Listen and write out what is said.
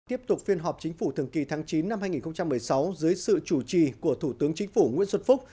tiếp tục phiên họp chính phủ thường kỳ tháng chín năm hai nghìn một mươi sáu dưới sự chủ trì của thủ tướng chính phủ nguyễn xuân phúc